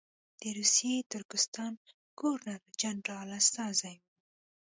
د روسي ترکستان ګورنر جنرال استازی وو.